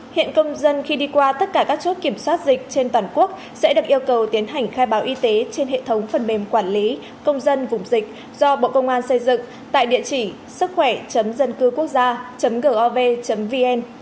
hiện công dân khi đi qua tất cả các chốt kiểm soát dịch trên toàn quốc sẽ được yêu cầu tiến hành khai báo y tế trên hệ thống phần mềm quản lý công dân vùng dịch do bộ công an xây dựng tại địa chỉ sức khỏe dân cư quốc gia gov vn